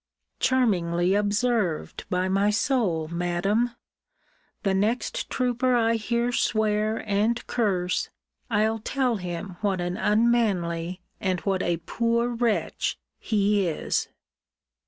Charmingly observed, by my soul, Madam! The next trooper I hear swear and curse, I'll tell him what an unmanly, and what a poor wretch he is.